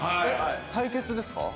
対決ですか？